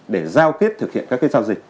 để giao kết thực hiện các giao dịch